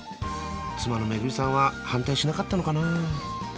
妻のめぐみさんは反対しなかったのかな？